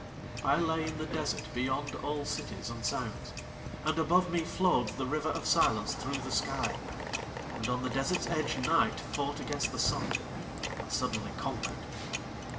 I lay in the desert beyond all cities and sounds, and above me flowed the River of Silence through the sky; and on the desert's edge night fought against the Sun, and suddenly conquered.